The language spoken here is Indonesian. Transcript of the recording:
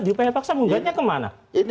diupaya paksa menggugatnya kemana